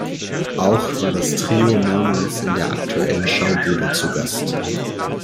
Auch war das Trio mehrmals in der Aktuellen Schaubude zu Gast.